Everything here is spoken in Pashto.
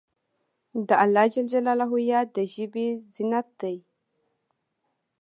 د الله یاد د ژبې زینت دی.